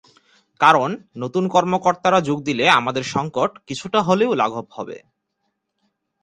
কারণ, নতুন কর্মকর্তারা যোগ দিলে আমাদের সংকট কিছুটা হলেও লাঘব হবে।